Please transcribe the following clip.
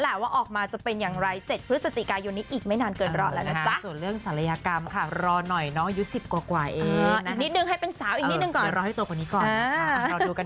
แล้วก็อยากฝากพวกเราไว้ให้ติดตามแล้วก็ให้เป็นกำลังใจแบบนี้ไปตลอดด้วยนะคะ